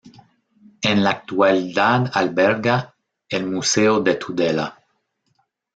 En la actualidad alberga el Museo de Tudela.